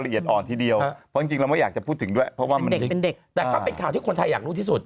เป็นเด็กแต่ก็เป็นข่าวที่คนไทยอยากรู้ที่สุด